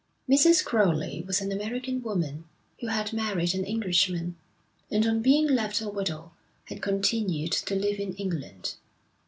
Mrs. Crowley was an American woman, who had married an Englishman, and on being left a widow, had continued to live in England.